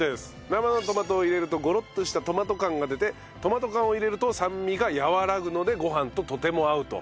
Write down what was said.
生のトマトを入れるとごろっとしたトマト感が出てトマト缶を入れると酸味が和らぐのでご飯ととても合うと。